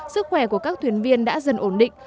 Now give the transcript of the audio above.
sức khỏe của các thuyền viên đã dần ổn định